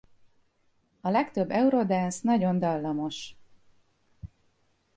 A legtöbb Eurodance nagyon dallamos.